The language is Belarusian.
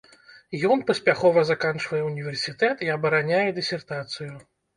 Ён паспяхова заканчвае ўніверсітэт і абараняе дысертацыю.